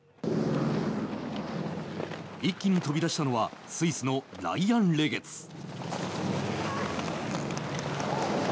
一気に飛び出したのはスイスのライアン・レゲツ。